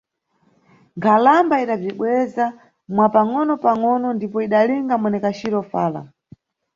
Nkhalamba idabzibweza, mwa pangʼono pangʼono, ndipo idalinga mwenekaciro fala.